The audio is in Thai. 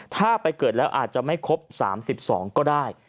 ถ้าไปเกิดแล้วอาจจะไม่ครบ๓๒ก็ได้